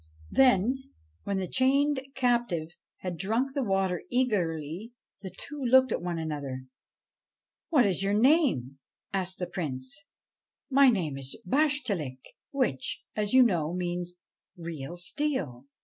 Then, when the chained captive had drunk the water eagerly, the two looked at one another. ' What is your name ?' asked the Prince. 'My name is Bashtchelik, which, as you know, means "real steel."'